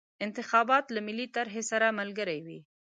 انتخابات له ملي طرحې سره ملګري وي.